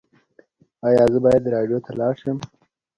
ایا زه باید راډیو ته لاړ شم؟